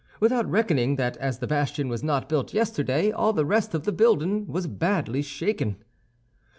Without reckoning that as the bastion was not built yesterday all the rest of the building was badly shaken."